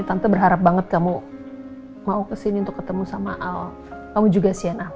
tante personally terima kasih